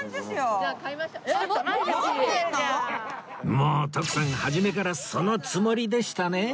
もう徳さん初めからそのつもりでしたね？